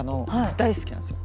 大好きなんですよ。